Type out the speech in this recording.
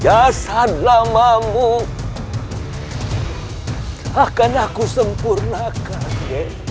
jasan lamamu akan aku sempurnakan